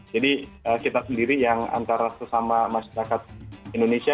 jadi kita sendiri yang antara sesama masyarakat indonesia